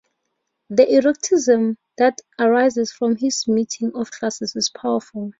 The eroticism that arises from this meeting of classes is powerful.